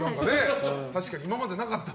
確かに今までなかった。